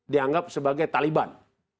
dianggap sebagai taliban